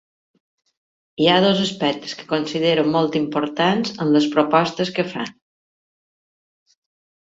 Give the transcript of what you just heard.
Hi ha dos aspectes que considero molt importants en les propostes que fa.